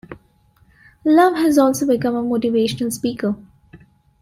Love has also become a motivational speaker.